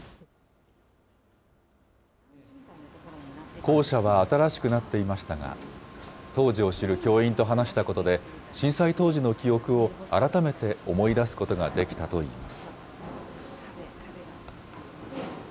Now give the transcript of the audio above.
校舎は新しくなっていましたが、当時を知る教員と話したことで、震災当時の記憶を改めて思い出すことができたといいます。